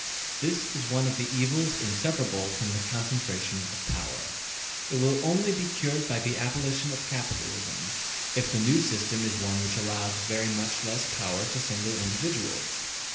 This is one of the evils inseparable from the concentration of power. It will only be cured by the abolition of capitalism if the new system is one which allows very much less power to single individuals.